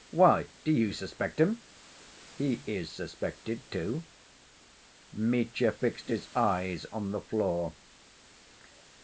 "Why, do you suspect him?" "He is suspected, too." Mitya fixed his eyes on the floor.